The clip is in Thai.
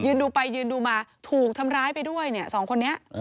ยืนดูไปยืนดูมาถูกทำร้ายไปด้วยสองคนนี้